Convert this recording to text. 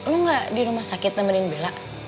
lo gak di rumah sakit nemerin bella